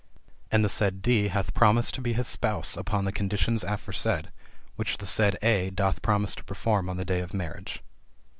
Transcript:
And the said D hath promised to be his spouse upon the conditions aforesaid, which the said A doth promise to perform on the day of marriage.